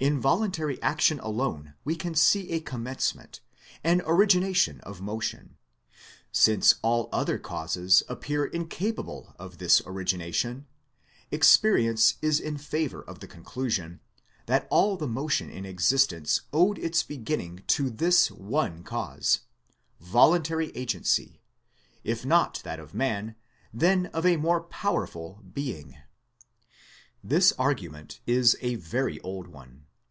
In voluntary action alone we see a commencement, an origination of motion; since all other causes appear incapable of this origination experience is in favour of the conclusion that all the motion in existence owed its beginning to this one cause, voluntary agency, if not that of man, then of a more powerful Being. This argument is a very old one.